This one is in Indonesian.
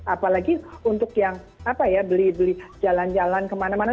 apalagi untuk yang beli jalan jalan kemana mana